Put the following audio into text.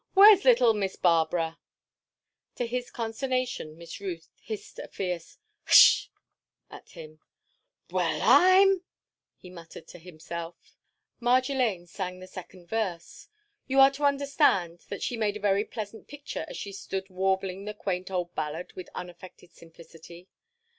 "Where's little Miss Barbara?" To his consternation Miss Ruth hissed a fierce "Hsssh!" at him. "Well, I 'm—!" he muttered to himself. Marjolaine sang the second verse. You are to understand that she made a very pleasant picture as she stood warbling the quaint old ballad with unaffected simplicity.